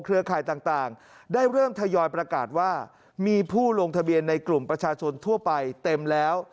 ข่ายต่างได้เริ่มทยอยประกาศว่ามีผู้ลงทะเบียนในกลุ่มประชาชนทั่วไปเต็มแล้ว